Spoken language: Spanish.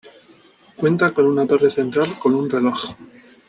Cuenta con una torre central con un reloj.